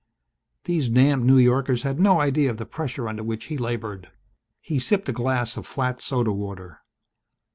These damned New Yorkers had no idea of the pressure under which he labored. He sipped a glass of flat soda water.